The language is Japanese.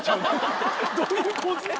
どういう構図？